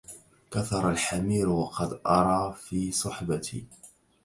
كثر الحمير وقد أرى في صحبتي